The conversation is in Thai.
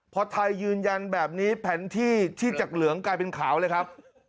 พอไทยยืนยันแบบนี้แผนที่ที่จากเหลืองกลายเป็นขาวเลยครับ